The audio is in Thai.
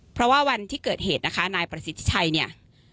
เพราะว่าวันที่เกิดเหตุนะคะนายประสิทธิชัยเนี่ย